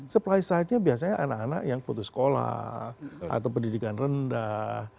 supply side nya biasanya anak anak yang putus sekolah atau pendidikan rendah